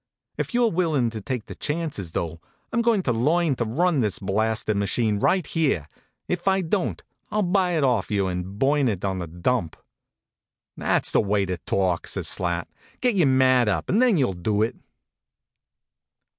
If you re willin to take the chances, though, I m goin to learn to run this blasted ma HONK, HONK! chine right here! If I don t, I ll buy it of you and burn it on the dump." "That s the way to talk!" says Slat. " Get your mad up, and then you ll do it."